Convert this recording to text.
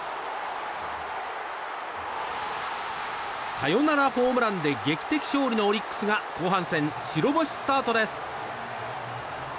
サヨナラホームランで劇的勝利のオリックスが後半戦白星スタートです。